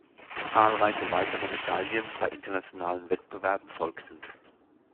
Zahlreiche weitere Medaillen bei internationalen Wettbewerben folgten.